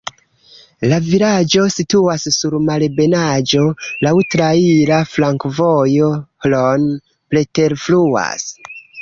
La vilaĝo situas sur malebenaĵo, laŭ traira flankovojo, Hron preterfluas.